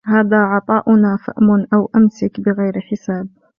هَذَا عَطَاؤُنَا فَامْنُنْ أَوْ أَمْسِكْ بِغَيْرِ حِسَابٍ